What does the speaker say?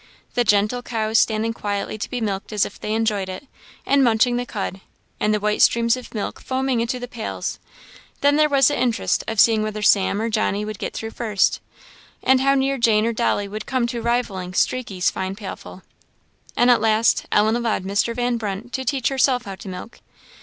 The gentle cows standing quietly to be milked as if they enjoyed it, and munching the cud; and the white streams of milk foaming into the pails; then there was the interest of seeing whether Sam or Johnny would get through first; and how near Jane or Dolly would come to rivalling Streaky's fine pailful; and at last Ellen allowed Mr. Van Brunt to teach herself how to milk.